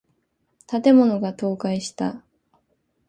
建物が倒壊した。